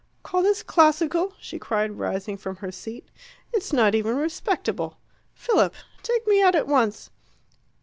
"Call this classical!" she cried, rising from her seat. "It's not even respectable! Philip! take me out at once."